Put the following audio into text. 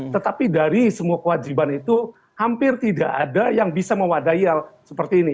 tetapi dari semua kewajiban itu hampir tidak ada yang bisa mewadaya seperti ini